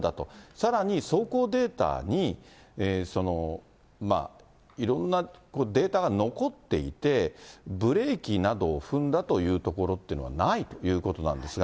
さらに走行データに、いろんなデータが残っていて、ブレーキなどを踏んだというところっていうのはないということなんですが。